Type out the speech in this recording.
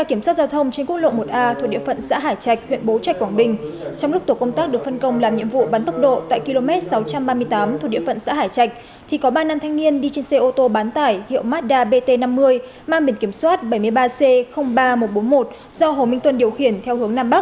trong lúc tổ công tác được phân công làm nhiệm vụ bắn tốc độ tại km sáu trăm ba mươi tám thuộc địa phận xã hải trạch thì có ba nam thanh niên đi trên xe ô tô bán tải hiệu mazda bt năm mươi mang biển kiểm soát bảy mươi ba c ba nghìn một trăm bốn mươi một do hồ minh tuân điều khiển theo hướng nam bắc